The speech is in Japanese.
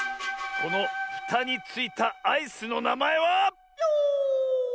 このふたについたアイスのなまえは。